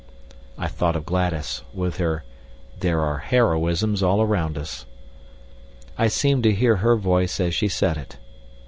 I thought of Gladys, with her "There are heroisms all round us." I seemed to hear her voice as she said it.